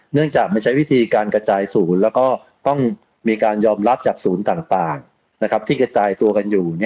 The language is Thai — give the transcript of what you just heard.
เนื่องจากมันใช้วิธีการกระจายศูนย์แล้วก็ต้องมีการยอมรับจากศูนย์ต่างที่กระจายตัวกันอยู่